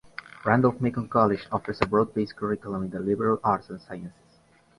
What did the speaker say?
Randolph-Macon College offers a broad-based curriculum in the liberal arts and sciences.